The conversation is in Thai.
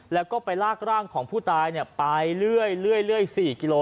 แล้วก็ไปลากร่างของผู้ตายไปเรื่อย๔กิโล